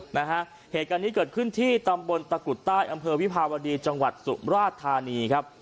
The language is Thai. นะฮะเหตุการณ์นี้เกิดขึ้นที่ตำบลตะกุดใต้อำเภอวิภาวดีจังหวัดสุมราชธานีครับ